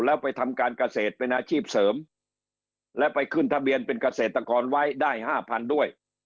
แล้วไปทำการเกษตรเป็นอาชีพเสริมและไปขึ้นทะเบียนเป็นเกษตรกรไว้ได้ห้าพันด้วย